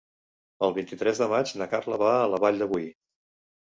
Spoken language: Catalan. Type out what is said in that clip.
El vint-i-tres de maig na Carla va a la Vall de Boí.